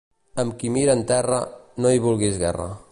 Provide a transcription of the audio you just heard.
Amb qui mira en terra, no hi vulguis guerra.